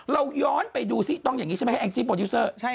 เราย้อนไปดูตรงอย่างงี้ใช่ไหม